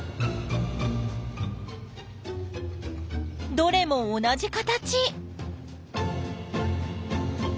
どれも同じ形！